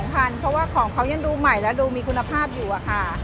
เพราะว่าของเขายังดูใหม่และดูมีคุณภาพอยู่อะค่ะ